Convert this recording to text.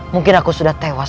mungkin aku sudah tewas